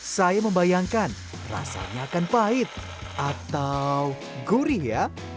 saya membayangkan rasanya akan pahit atau gurih ya